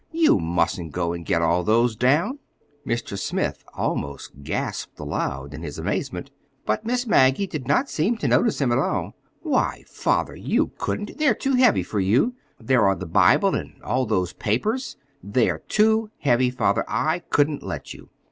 "You mustn't go and get all those down!" (Mr. Smith almost gasped aloud in his amazement, but Miss Maggie did not seem to notice him at all.) "Why, father, you couldn't—they're too heavy for you! There are the Bible, and all those papers. They're too heavy father. I couldn't let you.